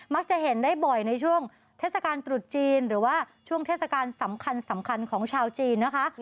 จะเห็นได้บ่อยในช่วงเทศกาลตรุษจีนหรือว่าช่วงเทศกาลสำคัญของชาวจีนนะคะ